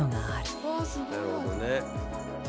なるほどね。